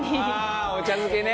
ああお茶漬けね。